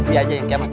iya aja yang kiamat